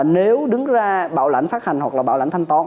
nếu đứng ra bảo lãnh phát hành hoặc là bảo lãnh thanh toán